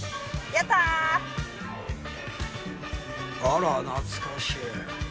あら懐かしい。